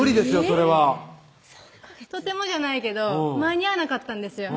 それは３ヵ月とてもじゃないけど間に合わなかったんですよ